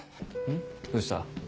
どうした？